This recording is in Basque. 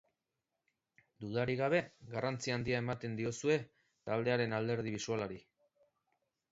Dudarik gabe, garrantzi handia ematen diozue taldearen alderdi bisualari.